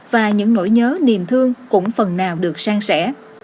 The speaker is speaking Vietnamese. và những nỗi nhớ niềm thương cũng phần nào được sang sẻ